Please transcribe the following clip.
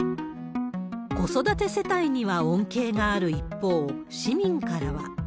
子育て世帯には恩恵がある一方、市民からは。